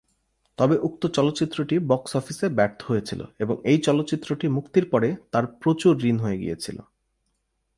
তবে উক্ত চলচ্চিত্রটি বক্স অফিসে ব্যর্থ হয়েছিল এবং এই চলচ্চিত্রটি মুক্তির পরে তাঁর প্রচুর ঋণ হয়ে গিয়েছিল।